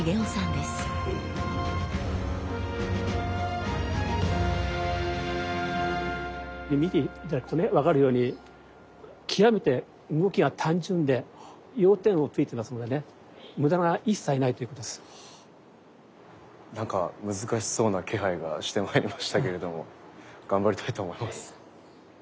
で見て頂くとね分かるように極めて動きが単純で要点をついてますのでねなんか難しそうな気配がしてまいりましたけれども頑張りたいと思います。